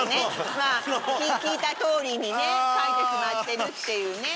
聞いた通りに書いてしまってるっていうね。